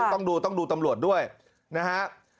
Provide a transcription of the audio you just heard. ต้องดูต้องดูตำรวจด้วยนะฮะ